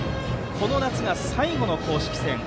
この夏が最後の公式戦。